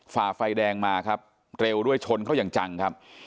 ฝ่าไฟแดงมาครับเร็วด้วยชนเขาอย่างจังครับ